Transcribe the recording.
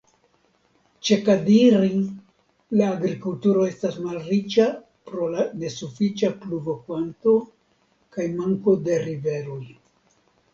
Ĉe Kadiri la agrikulturo estas malriĉa pro la nesufiĉa pluvokanto kaj manko de riveroj.